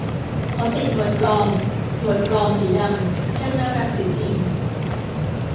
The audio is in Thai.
เขาติดหนวดปลอม หนวดปลอมสีดำ ช่างน่ารักเสียจริง